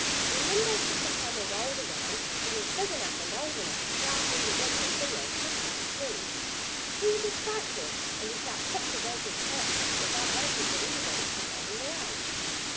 When Nimble's second summer rolled around he was big enough and old enough to prowl through the woods and fields much as he pleased. He was a Spike Horn. And he felt fit to go to the carrot patch without waiting for anybody to show him the way.